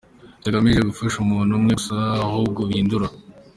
bitagamije gufasha umuntu umwe gusa ahubwo bihindura